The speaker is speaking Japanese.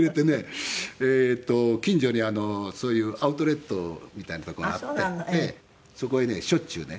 近所にそういうアウトレットみたいな所があってそこへねしょっちゅうね